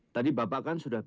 tadi bapak kan sudah